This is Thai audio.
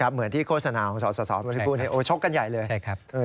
เหมือนที่โฆษณาของสสพูดให้โชคกันใหญ่เลย